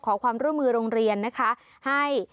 ขอความร่วมมือโรงเรียนนะคะให้